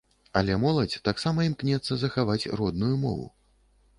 Але моладзь таксама імкнецца захаваць родную мову.